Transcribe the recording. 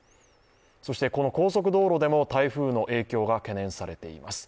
そしてこの高速道路でも台風の影響が懸念されています。